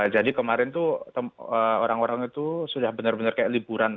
jadi kemarin tuh orang orang itu sudah benar benar kayak liburan